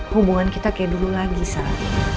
hubungan kita kayak dulu lagi sal